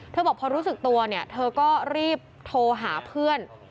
เธอบอกว่าพอรู้สึกตัวก็รีบโทรหาเพื่อน